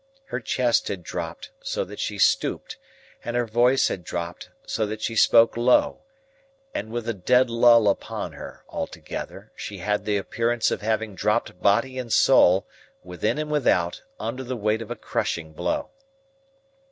Her chest had dropped, so that she stooped; and her voice had dropped, so that she spoke low, and with a dead lull upon her; altogether, she had the appearance of having dropped body and soul, within and without, under the weight of a crushing blow.